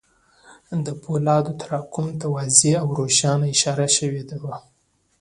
د پولادو تراکم ته واضح او روښانه اشاره شوې وه